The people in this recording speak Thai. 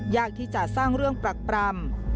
ยากที่จะสร้างเรื่องปรักปรำ